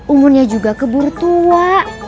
umurnya juga keburu tua